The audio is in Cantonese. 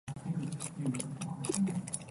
大家相安冇事咪好囉